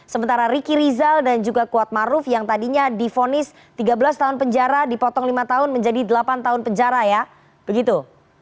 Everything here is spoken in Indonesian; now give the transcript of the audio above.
sementara riki rizal dan juga kuatmaruf yang tadinya difonis tiga belas tahun penjara dipotong lima tahun menjadi delapan tahun penjara ya begitu